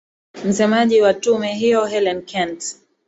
msemaji wa tume hiyo hellen kent